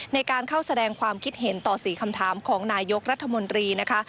ในการเข้าแสดงความคิดเห็นต่อ๔คำถามของนายกรัฐมนตรีนะคะ